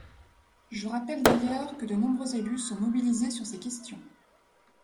Je rappelle d’ailleurs que de nombreux élus sont mobilisés sur ces questions.